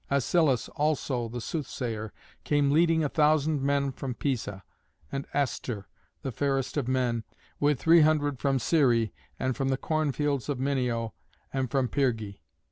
Asilas also, the soothsayer, came leading a thousand men from Pisa; and Astyr, the fairest of men, with three hundred from Cære and from the corn fields of Minio and from Pyrgi.